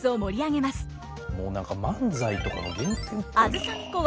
もう何か漫才とかの原点っぽいな。